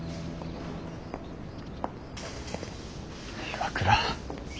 岩倉。